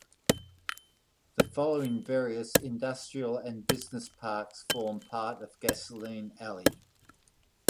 The following various industrial and business parks form part of Gasoline Alley.